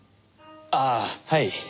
ああはい。